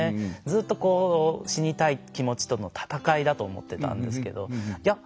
ずっと死にたい気持ちとの闘いだと思ってたんですけどいや